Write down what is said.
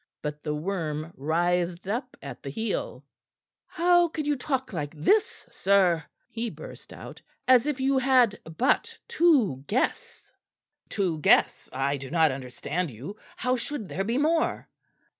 But the worm writhed up at the heel. "How can you talk like this, sir," he burst out, "as if you had but two guests?" "Two guests? I do not understand you. How should there be more?"